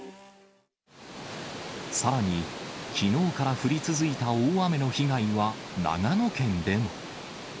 さらに、きのうから降り続いた大雨の被害は長野県でも。